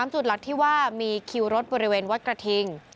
จุดหลักที่ว่ามีคิวรถบริเวณวัดกระทิง